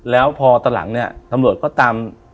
แล้วพอตอนหลังเนี่ยตำรวจก็ตาม